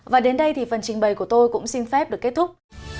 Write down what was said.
và đến đây thì phần trình bày của tôi cũng xin phép được kết thúc